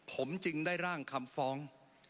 ผมจึงได้ร่างคำฟ้อง